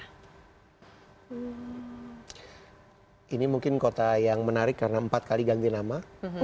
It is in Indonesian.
ini mungkin kota yang menarik karena empat kali ganti nama